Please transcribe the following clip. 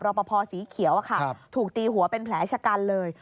ปภสีเขียวถูกตีหัวเป็นแผลชะกันเลย